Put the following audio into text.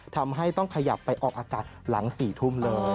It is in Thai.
ทำให้ต้องขยับไปออกอากาศหลัง๔ทุ่มเลย